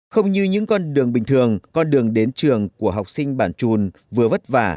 không như những con đường bình thường con đường đến trường của học sinh bản trùn vừa vất vả